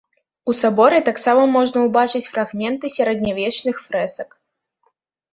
У саборы таксама можна ўбачыць фрагменты сярэднявечных фрэсак.